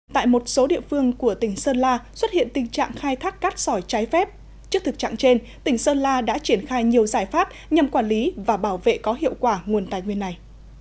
tại một số địa phương của tỉnh sơn la xuất hiện tình trạng khai thác cát sỏi trái phép trước thực trạng trên tỉnh sơn la đã triển khai nhiều giải pháp nhằm quản lý và bảo vệ có hiệu quả nguồn tài nguyên này